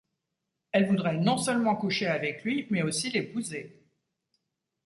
Elle voudrait non seulement coucher avec lui mais aussi l'épouser.